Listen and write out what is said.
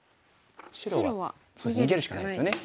白は逃げるしかないですよね。